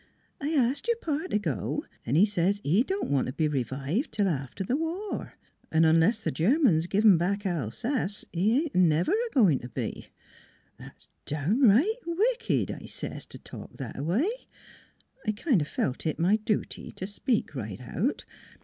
" I ast your Pa t' go, an' he says he don't want t' be revived till after th' war; 'n' unless the Germans give 'em back Alsace he ain't never a goin' t' be. * That's downright wicked,' I says, ' t' talk that a way.' I kind o' felt it my dooty t' speak right out.